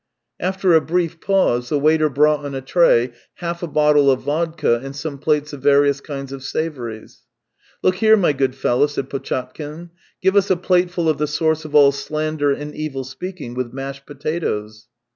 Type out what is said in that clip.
After a brief pause the waiter brought on a tray half a bottle of vodka and some plates of various kinds of savouries. " Look here, my good fellow," said Potchatkin. " Give us a plateful of the source of all slander and evil speaking, with mashed potatoes."